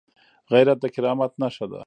غیرت د کرامت نښه ده